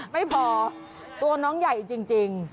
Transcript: ไม่พอตัวน้องใหญ่จริง